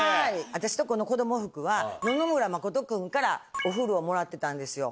私とこの子供服は野々村真君からお古をもらってたんですよ。